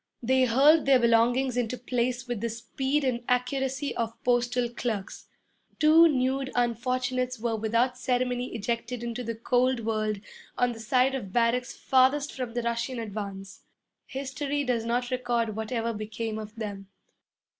They hurled their belongings into place with the speed and accuracy of postal clerks. Two nude unfortunates were without ceremony ejected into the cold world on the side of barracks farthest from the Russian advance. History does not record what ever became of them.